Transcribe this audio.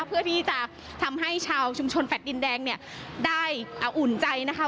เพื่อที่จะทำให้ชาวชุมชนแฟลต์ดินแดงเนี่ยได้อุ่นใจนะคะ